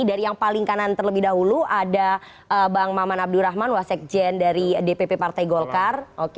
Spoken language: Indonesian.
dari yang paling kanan terlebih dahulu ada bang maman abdurrahman wasekjen dari dpp partai golkar